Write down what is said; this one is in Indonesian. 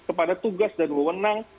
kepada tugas dan kewenang